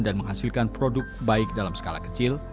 dan menghasilkan produk baik dalam skala kecil